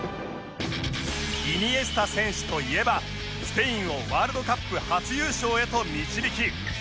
イニエスタ選手といえばスペインをワールドカップ初優勝へと導き